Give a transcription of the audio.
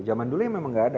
zaman dulu memang tidak ada